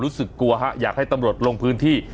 รู้สึกกลัวฮะอยากให้ตำรวจลงพื้นที่